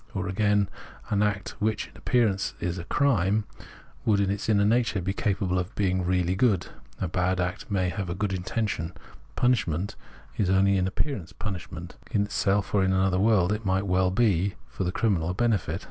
Or again, an act which m appearance is a crime would m its inner nature be capable of being really good — a bad act may have a good intention ; punishment is only in appearance punishment ; in itself or in another world it might well be, for the criminal, a benefit.